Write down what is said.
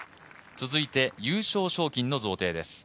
続いて、優勝賞金の贈呈です。